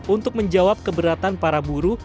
untuk menjawab keberatan para buruh